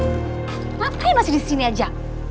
kenapa kalian masih disini aja